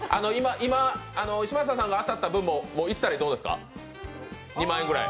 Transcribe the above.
今、嶋佐さんが当たった分もいったらどうですか、２万円ぐらい。